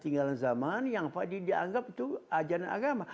tinggalan zaman yang dianggap itu ajaran agama